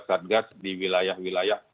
satgas di wilayah wilayah